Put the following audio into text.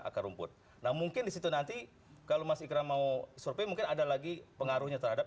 akar rumput manajer dati kalau masih keramau survei mungkin ada lagi pengaruhnya terhadap